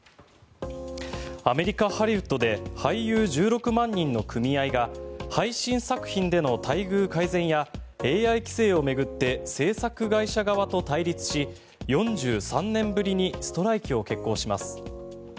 アメリカ・ハリウッドで俳優１６万人の組合が配信作品での待遇改善やＡＩ規制を巡って制作会社側と対立し４３年ぶりにストライキを決行します。